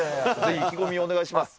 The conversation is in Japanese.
意気込みをお願いします。